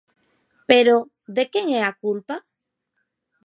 Pero, de quen é a culpa?